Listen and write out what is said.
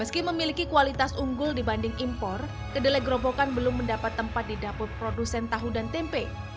meski memiliki kualitas unggul dibanding impor kedelai gerobokan belum mendapat tempat di dapur produsen tahu dan tempe